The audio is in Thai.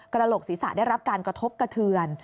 โหลกศีรษะได้รับการกระทบกระเทือน